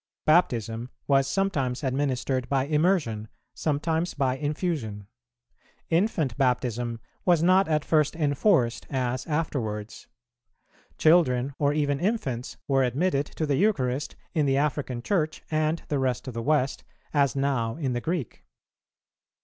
Baptism was sometimes administered by immersion, sometimes by infusion. Infant Baptism was not at first enforced as afterwards. Children or even infants were admitted to the Eucharist in the African Church and the rest of the West, as now in the Greek.